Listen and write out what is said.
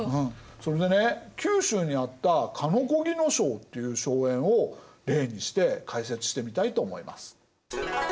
それでね九州にあった鹿子木荘っていう荘園を例にして解説してみたいと思います。